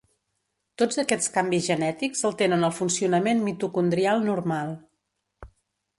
Tots aquests canvis genètics alteren el funcionament mitocondrial normal.